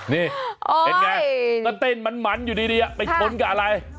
นี่เป็นไงก็เต้นมันอยู่ดีไปชนกับอะไร